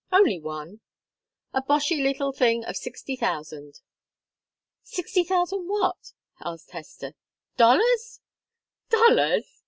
Only one a boshy little thing of sixty thousand." "Sixty thousand what?" asked Hester. "Dollars?" "Dollars!"